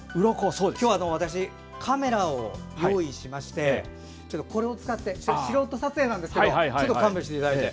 今日は私、カメラを用意しましてこれを使って素人撮影なんですがちょっと勘弁していただいて。